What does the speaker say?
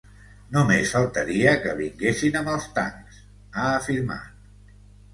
Només faltaria que vinguessin amb els tancs, ha afirmat.